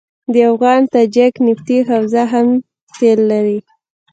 د افغان تاجک نفتي حوزه هم تیل لري.